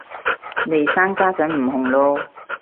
嚟生家陣唔紅嚕